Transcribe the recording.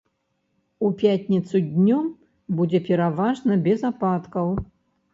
У пятніцу днём будзе пераважна без ападкаў.